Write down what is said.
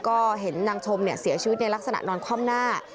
ก็เห็นนางชมเสียชีวิตในลักษณะนอนคว่ำหน้า